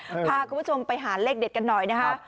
พาคุณผู้ชมไปหาเลขเด็ดกันหน่อยนะคะ